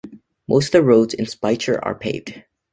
Most of the roads in Speicher are paved.